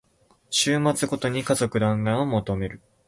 週末ごとに家族だんらんを求める